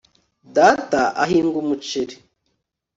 data ahinga umuceri